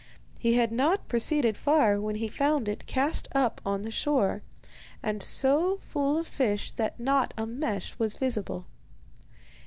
He had not proceeded far when he found it cast up on the shore, and so full of fish that not a mesh was visible.